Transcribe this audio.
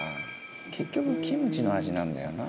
結局キムチの味なんだよな」